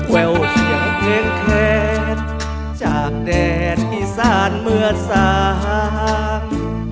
แววเสียงเพลงแค้นจากแดดอีสานเมื่อสาง